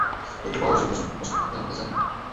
একটু পাওয়ার যোগের জন্য প্রস্তুত থাকলে আমাকে জানিও।